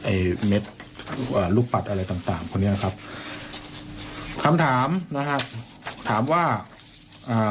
ไอ้เม็ดอ่าลูกปัดอะไรต่างต่างคนนี้นะครับคำถามนะฮะถามว่าอ่า